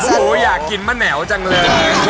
หูยอยากกินมะแหนวจังเลย